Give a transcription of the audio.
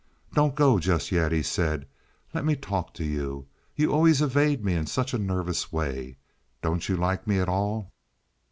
"Don't go just yet," he said. "Let me talk to you. You always evade me in such a nervous way. Don't you like me at all?"